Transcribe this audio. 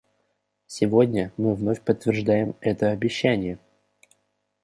Сегодня мы вновь подтверждаем это обещание.